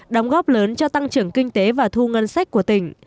đóng góp lớn cho tăng trưởng kinh tế và thu ngân sách của tỉnh